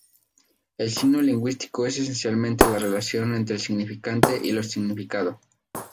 El signo lingüístico es esencialmente la relación entre el significante y lo significado.